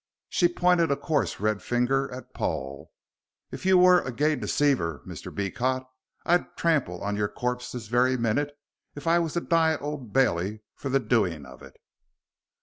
She pointed a coarse, red finger at Paul. "If you were a gay deceiver, Mr. Beecot, I'd trample on your corp this very minute if I was to die at Old Bailey for the doing of it."